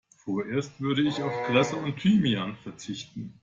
Vorerst würde ich auf Kresse und Thymian verzichten.